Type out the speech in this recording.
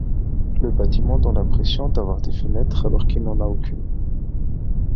Le bâtiment donne l'impression d'avoir des fenêtres alors qu'il n'en a aucune.